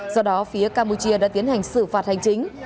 do đó phía campuchia đã tiến hành xử phạt hành chính